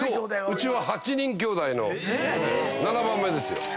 うちは８人きょうだいの７番目ですよ。